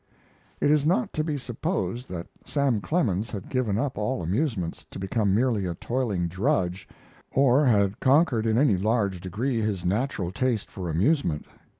It is not to be supposed that Sam Clemens had given up all amusements to become merely a toiling drudge or had conquered in any large degree his natural taste for amusement.